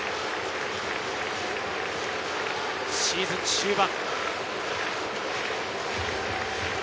シーズン終盤。